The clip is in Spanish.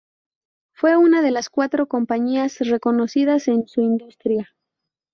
Fue una de las cuatro compañías reconocidas en su industria.